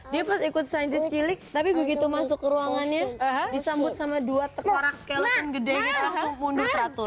dia pas ikut sanjis cilik tapi begitu masuk ke ruangannya disambut sama dua tekorak scale dan gedenya langsung mundur teratur